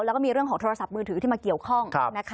แล้วก็มีเรื่องของโทรศัพท์มือถือที่มาเกี่ยวข้อง